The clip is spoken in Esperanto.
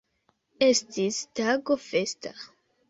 Estis tago festa.